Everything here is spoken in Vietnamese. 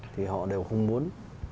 thì họ đều không muốn